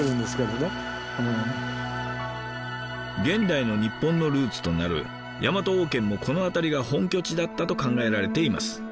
現代の日本のルーツとなるヤマト王権もこの辺りが本拠地だったと考えられています。